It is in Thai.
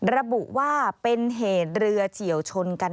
ระบุว่าเป็นเหตุเรือเฉียวชนกัน